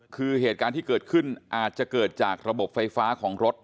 คือเหตุการณ์ที่เกิดขึ้นอาจจะเกิดจากระบบไฟฟ้าของรถ